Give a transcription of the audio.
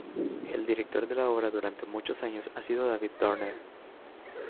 El director de la obra durante muchos años ha sido David Turner.